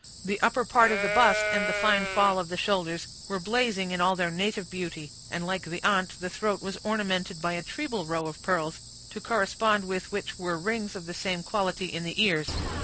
The upper part of the bust, and the fine fall of the shoulders, were blazing in all their native beauty, and, like the aunt, the throat was ornamented by a treble row of pearls, to correspond with which were rings of the same quality in the ears.